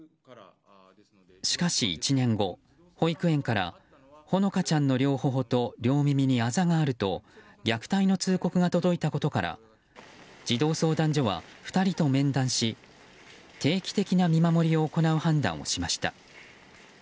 しかし、１年後保育園からほのかちゃんの両頬と両耳にあざがあると虐待の通告が届いたことから児童相談所は２人と面談し定期的な見守りを行う判断をしました。